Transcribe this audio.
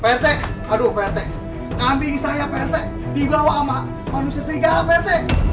pak rt aduh pak rt kambing saya pak rt dibawa sama manusia serigala pak rt